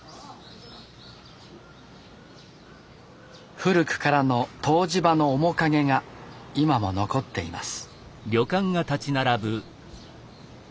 古くからの湯治場の面影が今も残っています。